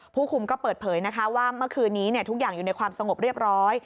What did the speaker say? ผู้คุมก็เปิดเผยนะคะว่าเมื่อคืนนี้ทุกอย่างอยู่ในความสงบเรียบร้อย